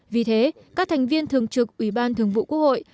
vì thế các thành viên thường trực ủy ban thường vụ quốc hội